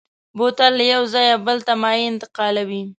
بوتل له یو ځایه بل ته مایع انتقالوي.